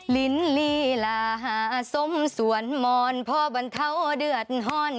ลิ้นลีลาหาสมสวนมอนพ่อบรรเทาเดือดฮ่อน